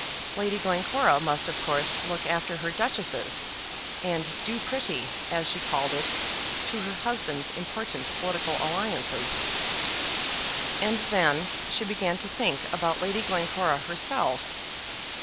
Lady Glencora must of course look after her duchesses, and do pretty, as she called it, to her husband's important political alliances. And then she began to think about Lady Glencora herself.